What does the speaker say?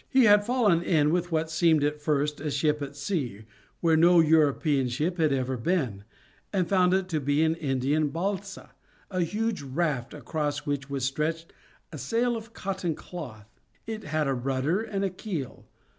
He had fallen in with what seemed at first a ship at sea, where no European ship had ever been, and found it to be an Indian balsa, a huge raft across which was stretched a sail of cotton cloth. It had a rudder and a keel.